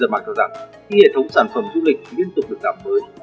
dân mạng cho rằng khi hệ thống sản phẩm du lịch liên tục được đảm mới